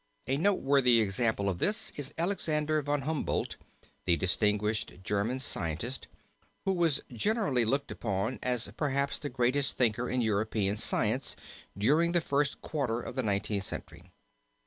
A noteworthy example of this is Alexander Von Humboldt the distinguished German scientist, who was generally looked upon as perhaps the greatest thinker in European science during the first quarter of the Nineteenth Century.